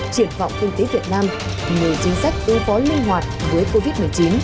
triển vọng kinh tế việt nam nhiều chính sách ưu vói linh hoạt với covid một mươi chín